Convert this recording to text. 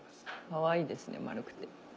かわいいですね丸くて。